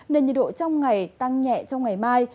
nên nhiệt độ trong ngày tăng nhẹ trong ngày mai